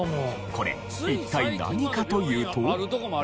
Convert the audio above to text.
これ一体何かというと。